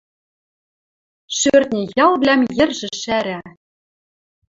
Шӧртньӹ ялвлӓм йӹржӹ шӓрӓ